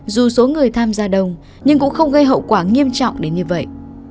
dù số người tham gia đông nhưng cũng không gây hậu quả nghiêm trọng đến như vậy